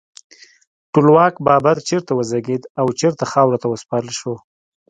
ټولواک بابر چیرته وزیږید او چیرته خاورو ته وسپارل شو؟